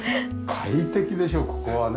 快適でしょここはね。